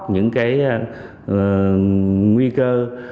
những cái nguy cơ